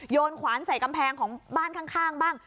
ขวานใส่กำแพงของบ้านข้างบ้าง